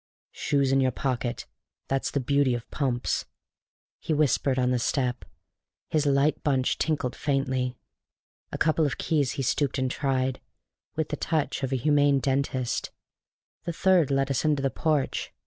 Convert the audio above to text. "Shoes in your pocket that's the beauty of pumps!" he whispered on the step; his light bunch tinkled faintly; a couple of keys he stooped and tried, with the touch of a humane dentist; the third let us into the porch.